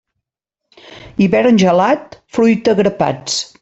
Hivern gelat, fruita a grapats.